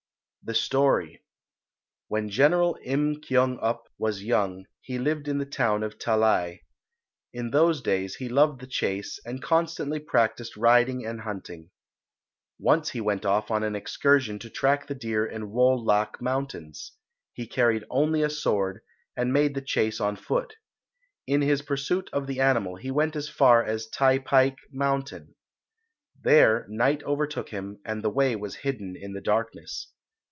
] The Story When General Im Kyong up was young he lived in the town of Tallai. In those days he loved the chase, and constantly practised riding and hunting. Once he went off on an excursion to track the deer in Wol lak Mountains. He carried only a sword, and made the chase on foot. In his pursuit of the animal he went as far as Tai paik Mountain. There night overtook him, and the way was hidden in the darkness.